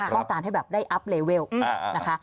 ต้องการให้แบบได้อัพเลเวลนะคะ